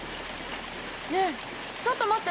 ねえちょっと待って！